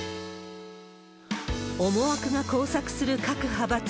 思惑が交錯する各派閥。